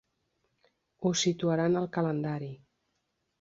Ho situarà en el calendari.